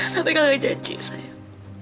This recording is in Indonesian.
sampai kakak janji sayang